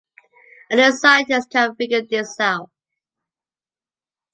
Only a scientist can figure this out.